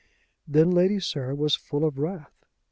Then Lady Sarah was full of wrath.